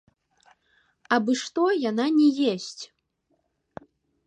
Абы што яна не есць.